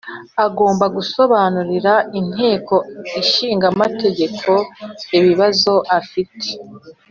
Agomba gusobanurira Inteko Ishinga Amategeko ibibazo afite